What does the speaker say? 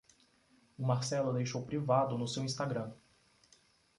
O Marcelo deixou privado no seu Instagram